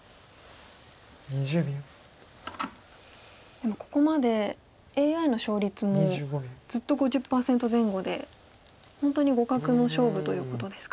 でもここまでＡＩの勝率もずっと５０％前後で本当に互角の勝負ということですか。